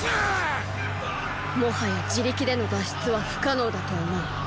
もはや自力での脱出は不可能だと思う。